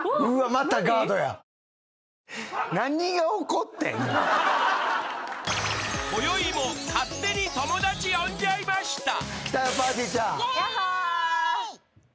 ［こよいも勝手に友達呼んじゃいました］